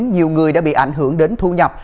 nhiều người đã bị ảnh hưởng đến thu nhập